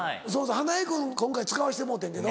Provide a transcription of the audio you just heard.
花江君今回使わしてもろうてんけど。